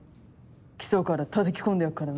基礎からたたき込んでやっからな。